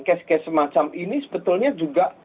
kes kes semacam ini sebetulnya juga